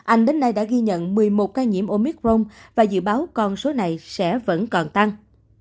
anh đến nay đã ghi nhận một mươi một ca nhiễm omicron và dự báo con số này sẽ vẫn còn tăng